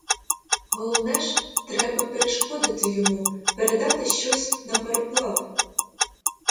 Головне ж — треба перешкодити йому передати щось на пароплав.